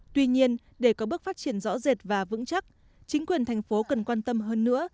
tuy nhiên để có bước phát triển rõ rệt và vững chắc chính quyền thành phố cần quan tâm hơn nữa